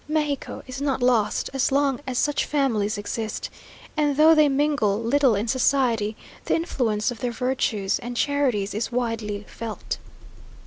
Mexico is not lost as long as such families exist, and though they mingle little in society, the influence of their virtues and charities is widely felt.